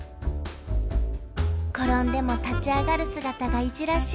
転んでも立ち上がる姿がいじらしい。